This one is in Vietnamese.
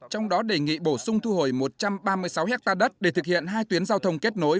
trong đó đề nghị bổ sung thu hồi một trăm ba mươi sáu hectare đất để thực hiện hai tuyến giao thông kết nối